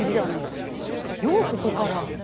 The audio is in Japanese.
ようそこから。